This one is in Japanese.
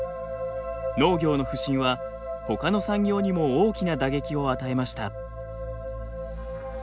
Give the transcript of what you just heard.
農業の不振はほかの産業にも大きな打撃を与えました。